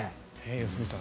良純さん